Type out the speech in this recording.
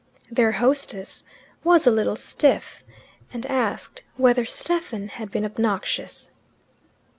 Their hostess was a little stiff, and asked whether Stephen had been obnoxious.